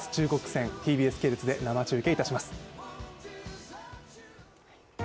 ＴＢＳ系列で生中継いたします。